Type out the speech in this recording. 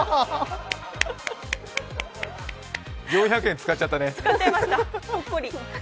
４００円使っちゃったね。